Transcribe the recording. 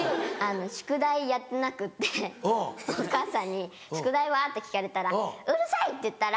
宿題やってなくってお母さんに「宿題は？」って聞かれたら「うるさい！」って言ったら。